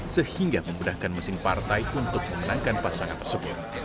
sehingga memudahkan mesin partai untuk memenangkan pasangan tersebut